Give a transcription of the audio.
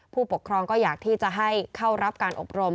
ผู้ปกครองก็อยากที่จะให้เข้ารับการอบรม